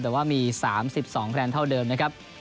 แต่ว่ามี๓๒คะแนนเท่าเดิมนะครับ